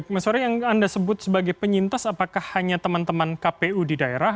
mas sorry yang anda sebut sebagai penyintas apakah hanya teman teman kpu di daerah